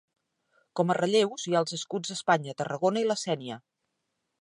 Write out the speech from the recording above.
Com a relleus hi ha els escuts d'Espanya, Tarragona i la Sénia.